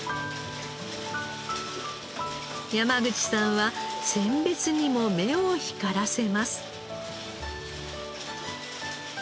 山口さんは選別にも目を光らせます。